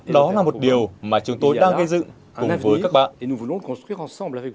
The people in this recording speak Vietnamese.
đó là một điều mà chúng tôi đang gây dựng cùng với các bạn